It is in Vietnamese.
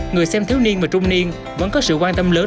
người xem thiếu niên và trung niên vẫn có sự quan tâm lớn